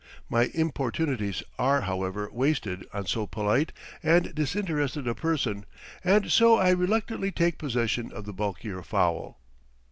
My importunities are, however, wasted on so polite and disinterested a person, and so I reluctantly take possession of the bulkier fowl.